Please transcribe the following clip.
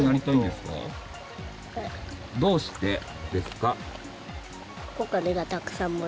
どうしてですか？